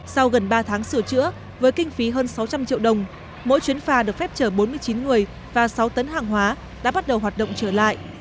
sau gần ba tháng sửa chữa với kinh phí hơn sáu trăm linh triệu đồng mỗi chuyến phà được phép chở bốn mươi chín người và sáu tấn hàng hóa đã bắt đầu hoạt động trở lại